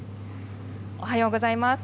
おはようございます。